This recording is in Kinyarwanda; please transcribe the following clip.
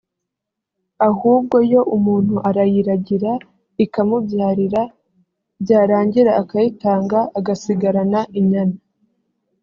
ahubwo yo umuntu arayiragira ikamubyarira; byarangira akayitanga agasigarana inyana